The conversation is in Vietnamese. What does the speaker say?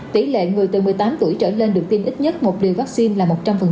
tỷ lệ người từ một mươi tám tuổi trở lên được tiêm ít nhất một liều vaccine là một trăm linh